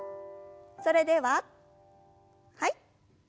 それでははい。